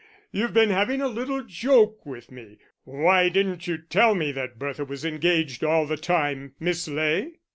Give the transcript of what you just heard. You've been having a little joke with me. Why didn't you tell me that Bertha was engaged all the time, Miss Ley?"